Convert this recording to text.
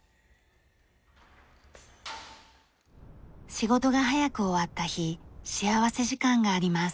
仕事が早く終わった日幸福時間があります。